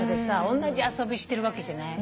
おんなじ遊びしてるわけじゃない。